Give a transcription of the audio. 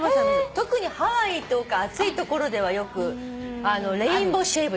特にハワイとか暑い所ではよくレインボーシェイブ。